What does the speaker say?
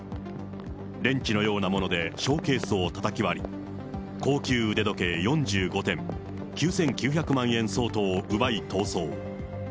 レンチのようなものでショーケースをたたき割り、高級腕時計４５点、９９００万円相当を奪い逃走。